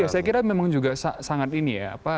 ya saya kira memang juga sangat ini ya